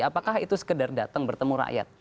apakah itu sekedar datang bertemu rakyat